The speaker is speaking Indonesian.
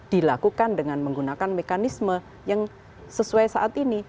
dilakukan dengan menggunakan mekanisme yang sesuai saat ini